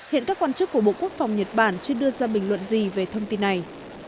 hiện các quan chức của bộ quốc phòng nhật bản chưa đưa ra bình luận gì về thông tin này